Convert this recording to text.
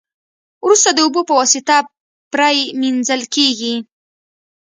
وروسته د اوبو په واسطه پری مینځل کیږي.